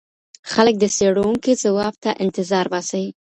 خلګ د څېړونکي ځواب ته انتظار باسي.